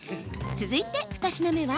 続いて、２品目は？